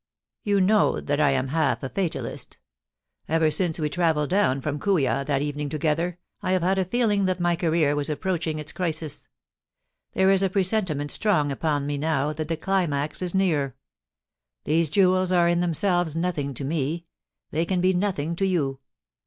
You know that I am half a fatalist Ever since we travelled down from Kooya that i9 290 POLICY AND PASSION. evening together, I have had a feeling that my career was approaching its crisis. There is a presentiment strong upon me now that the climax is near. * These jewels are in themselves nothing to me — they can be nothing to you.